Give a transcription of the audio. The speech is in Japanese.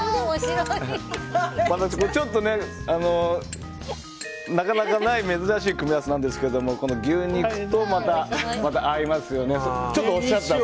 ちょっと、なかなかない珍しい組み合わせなんですけど牛肉と、また合いますよね。